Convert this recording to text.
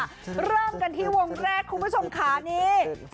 เริ่มกันที่วงแรกคุณผู้ชมค่ะนี่